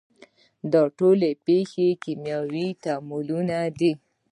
دا ټولې پیښې کیمیاوي تعاملونه دي.